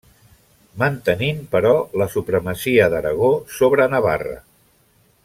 Mantenint però la supremacia d'Aragó sobre Navarra.